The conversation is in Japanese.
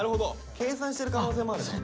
計算してる可能性もあるね。